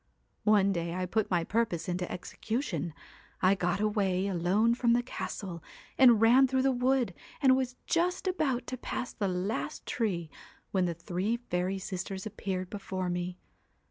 ' One day I put my purpose into execution, I got away alone from the castle, and ran through the wood, and was just about to pass the last tree when the three fairy sisters appeared before me.